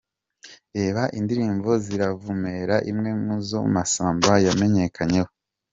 Reba indirimbo Ziravumera imwe mu zo Masamba yamenyekanyeho.